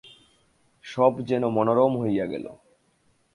সব যেন মনোরম হইয়া গেল।